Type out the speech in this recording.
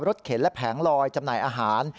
เข็นและแผงลอยจำหน่ายอาหาร